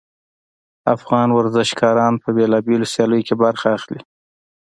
افغان ورزشګران په بیلابیلو سیالیو کې برخه اخلي